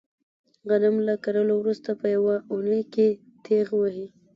غنم له کرلو ورسته په یوه اونۍ کې تېغ وهي.